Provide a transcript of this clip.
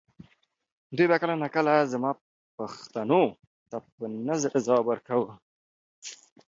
دوی به کله ناکله زما پوښتنو ته په نه زړه ځواب ورکاوه.